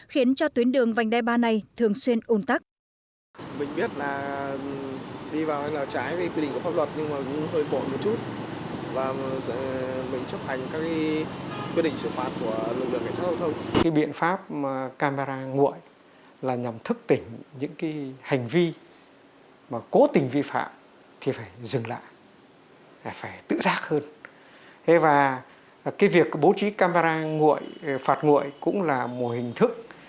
khiến cho tuyến đường vành đai ba này thường xuyên ôn tắc